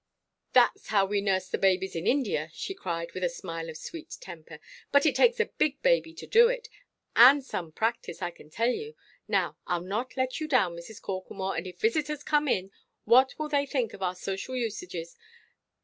"Thatʼs how we nurse the babies in India," she cried, with a smile of sweet temper, "but it takes a big baby to do it, and some practice, I can tell you. Now, Iʼll not let you down, Mrs. Corklemore,—and if visitors come in, what will they think of our social usages?